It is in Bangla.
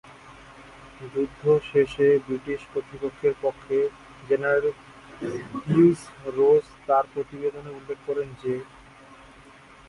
যুদ্ধ শেষে ব্রিটিশ কর্তৃপক্ষের পক্ষে জেনারেল হিউজ রোজ তার প্রতিবেদনে উল্লেখ করেন যে,